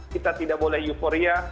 kita tidak boleh euforia